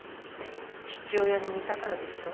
父親に似たからでしょ？